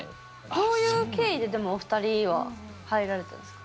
どういう経緯ででもお二人は入られたんですか？